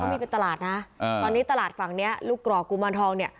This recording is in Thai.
มีเป็นตลาดนะตอนนี้ตลาดฝั่งเนี้ยลูกกรอกกุมารทองเนี่ย